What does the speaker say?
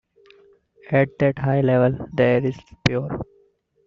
At that high level the air is pure.